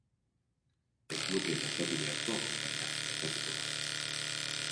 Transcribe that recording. Ez luke gertatu beharko, baina gertatuko da.